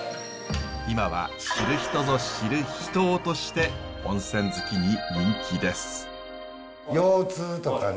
今は知る人ぞ知る秘湯として温泉好きに人気です。